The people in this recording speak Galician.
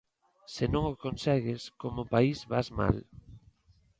Se non o consegues, como país vas mal.